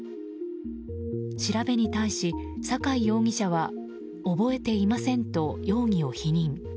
調べに対し、酒井容疑者は覚えていませんと容疑を否認。